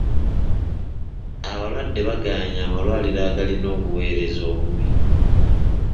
Abalwadde bagaanye amalwaliro agalina obuweereza obubi.